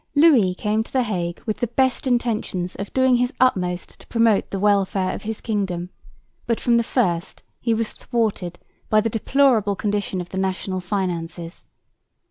Louis came to the Hague with the best intentions of doing his utmost to promote the welfare of his kingdom, but from the first he was thwarted by the deplorable condition of the national finances.